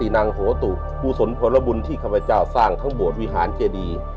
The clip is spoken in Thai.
หุตุโบสถพลบุญที่ข้าพเจ้าสร้างทั้งบรวชวิหารเจดีย์